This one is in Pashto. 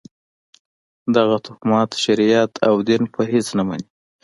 دغه توهمات شریعت او دین په هېڅ نه مني.